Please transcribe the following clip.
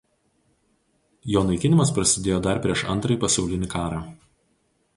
Jo naikinimas prasidėjo dar prieš Antrąjį pasaulinį karą.